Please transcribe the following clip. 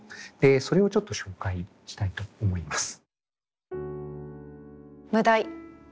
それをちょっと紹介したいと思います。